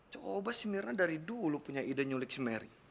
coba si mirna dari dulu punya ide nyulik si meri